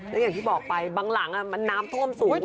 แล้วอย่างที่บอกไปบางหลังมันน้ำท่วมสูง